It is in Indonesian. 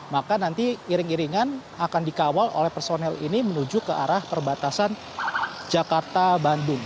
maka nanti iring iringan akan dikawal oleh personel ini menuju ke arah perbatasan jakarta bandung